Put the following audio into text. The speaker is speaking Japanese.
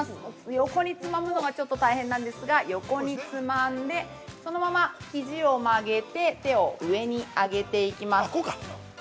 横につまむのがちょっと大変なんですが横につまんで、そのままひじを曲げて、手を上に上げていきます。